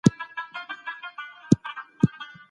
دوی وایي چې علم باید د عمل لپاره وي.